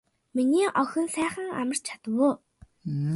Миний охин сайхан амарч чадав уу.